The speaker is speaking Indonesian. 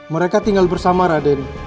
mereka tinggal bersama raden